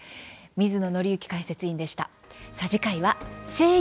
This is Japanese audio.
水野倫之解説委員でした。